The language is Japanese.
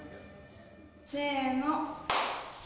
せの。